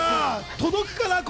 届くかな声？